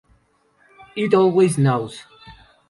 It always knows!